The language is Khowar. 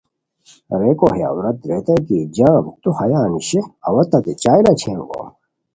ریکو ہے عورت ریتائے کی جام تو ہیا نیشے اوا تتے چائے لاچھئے انگوم